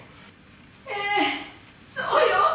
「ええ。そうよ」